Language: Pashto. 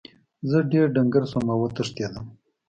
زه ډیر ډنګر شوم او وتښتیدم.